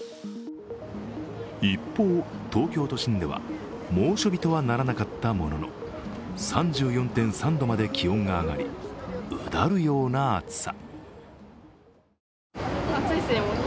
一方、東京都心では猛暑日とはならなかったものの、３４．３度まで気温が上がりうだるような暑さ。